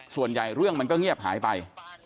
ส่วนใหญ่เรื่องมันก็เงียบหายไป